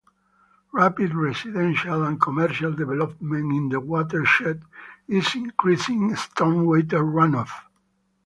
Rapid residential and commercial development in the watershed is increasing stormwater runoff.